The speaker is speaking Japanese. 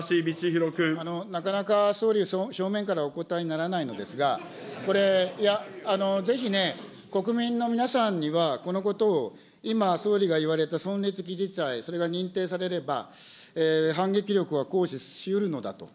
なかなか総理、正面からお答えにならないのですが、これ、いや、ぜひね、国民の皆さんにはこのことを、今、総理が言われた存立危機事態、それが認定されれば、反撃力は行使しうるのだと。